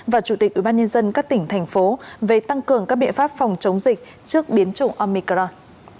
và chủ tịch ủy ban nhân dân các tỉnh thành phố về tăng cường các biện pháp phòng chống dịch trước biến chủng omicron